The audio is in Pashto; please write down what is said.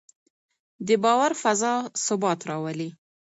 د باور فضا ثبات راولي